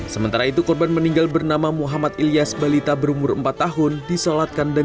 sementara itu korban meninggal bernama muhammad ilyas balita berumur empat tahun disolatkan dan